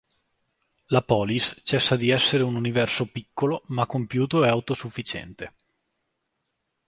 La polis cessa di essere un universo piccolo ma compiuto e autosufficiente.